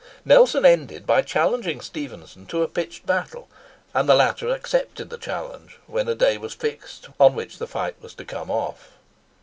Nelson ended by challenging Stephenson to a pitched battle; and the latter accepted the challenge, when a day was fixed on which the fight was to come off.